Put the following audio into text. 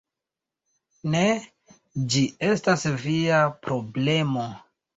Ne, ĝi estas via problemo